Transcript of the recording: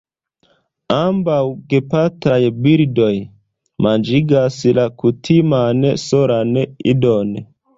Ambaŭ gepatraj birdoj manĝigas la kutiman solan idon.